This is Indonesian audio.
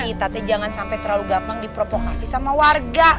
kita teh jangan sampai terlalu gampang dipropokasi sama warga